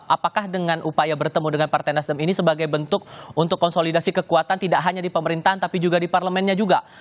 apakah dengan upaya bertemu dengan partai nasdem ini sebagai bentuk untuk konsolidasi kekuatan tidak hanya di pemerintahan tapi juga di parlemennya juga